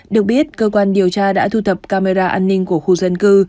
được biết cơ quan điều tra đã thu thập camera an ninh của khu dân cư